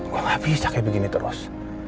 wah gak bisa kayak begini terus